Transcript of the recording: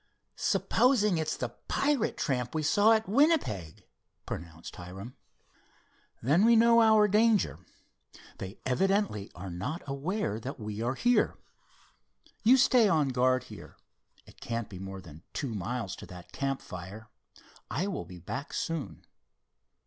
"Supposing it's the pirate tramp we saw at Winnipeg?" propounded Hiram. "Then we know our danger. They evidently are not aware that we are here. You stay on guard here. It can't be more than two miles to that campfire. I will be back soon."